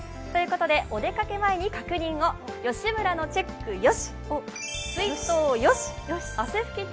お出かけ前に確認を、よしむらのチェックよし！